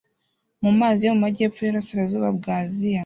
mu mazi yo mu majyepfo y'uburasirazuba bwa Aziya